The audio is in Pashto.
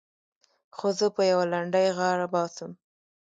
خو زه په يوه لنډۍ غاړه باسم.